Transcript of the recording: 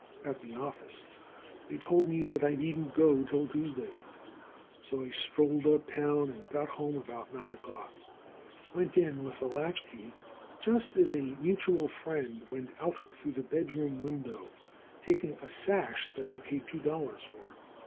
At the office they told me that I needn't go till Tuesday, so I strolled up town and got home about nine o'clock, went in with a latch key, just as a mutual friend went out through the bed room window, taking a sash that I paid two dollars for.